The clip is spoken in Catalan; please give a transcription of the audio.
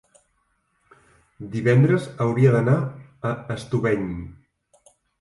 Divendres hauria d'anar a Estubeny.